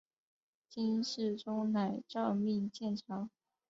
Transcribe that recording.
金世宗乃诏命建桥。